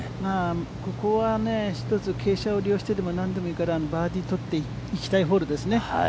ここは一つ傾斜を利用してでも何でもいいからバーディーを取っていきたいホールですね。